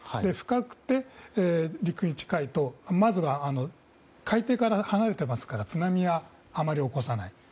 深くて陸に近いとまずは海底から離れていますから津波はあまり起こさない。